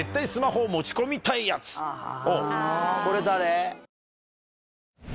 これ誰？